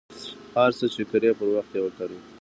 هر څه ،چې کرئ پر وخت یې وکرئ.